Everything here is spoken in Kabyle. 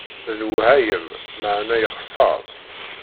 D lwehayem, meεna yexser.